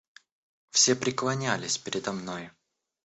Все преклонялись передо мной!